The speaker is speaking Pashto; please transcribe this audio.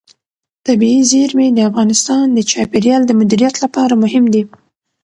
طبیعي زیرمې د افغانستان د چاپیریال د مدیریت لپاره مهم دي.